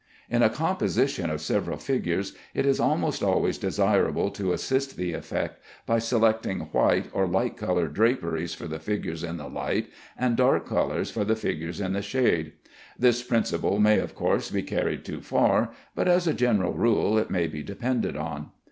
In a composition of several figures, it is almost always desirable to assist the effect by selecting white or light colored draperies for the figures in the light, and dark colors for the figures in the shade. This principle may, of course, be carried too far, but as a general rule it may be depended on.